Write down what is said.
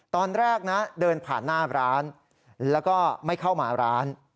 ตอนแรกนะเดินผ่านหน้าร้านแล้วก็ไม่เข้ามาร้าน